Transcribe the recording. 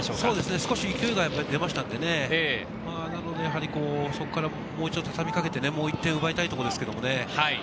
少し勢いが出たのでね、そこからもう一度畳みかけて、もう１点奪いたいところですけどね。